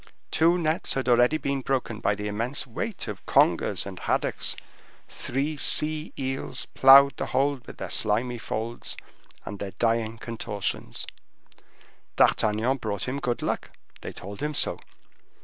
Two nets had already been broken by the immense weight of congers and haddocks; three sea eels plowed the hold with their slimy folds and their dying contortions. D'Artagnan brought them good luck; they told him so.